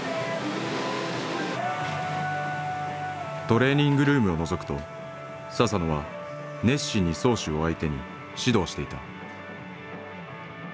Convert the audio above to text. トレーニングルームをのぞくと佐々野は熱心に漕手を相手に指導していた。